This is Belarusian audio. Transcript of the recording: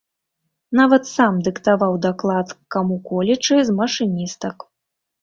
Нават сам дыктаваў даклад каму-колечы з машыністак.